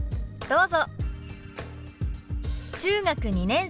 どうぞ。